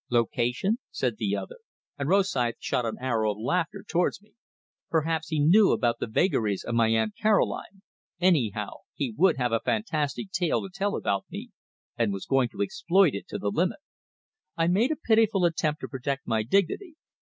"Location?" said the other; and Rosythe shot an arrow of laughter towards me. Perhaps he knew about the vagaries of my Aunt Caroline; anyhow, he would have a fantastic tale to tell about me, and was going to exploit it to the limit! I made a pitiful attempt to protect my dignity.